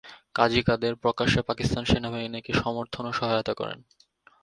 কাজী কাদের প্রকাশ্যে পাকিস্তান সেনাবাহিনীকে সমর্থন ও সহায়তা করেন।